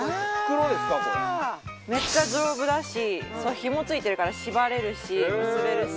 めっちゃ丈夫だしひも付いてるから縛れるし結べるし。